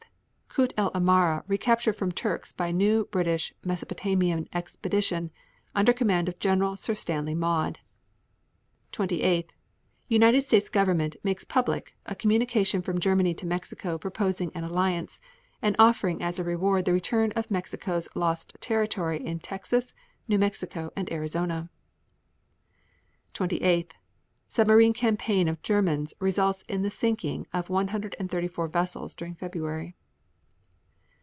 Kut el Amara recaptured from Turks by new British Mesopotamian expedition under command of Gen. Sir Stanley Maude. 28. United States government makes public a communication from Germany to Mexico proposing an alliance, and offering as a reward the return of Mexico's lost territory in Texas, New Mexico and Arizona. 28. Submarine campaign of Germans results in the sinking of 134 vessels during February.